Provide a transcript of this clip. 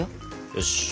よし。